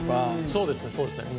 そうですねそうですね。